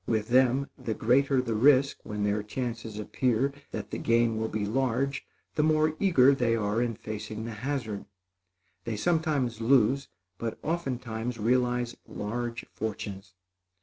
With them, the greater the risk when their chances appear that the gain will be large, the more eager they are in facing the hazard. They sometimes lose, but oftentimes realize large fortunes.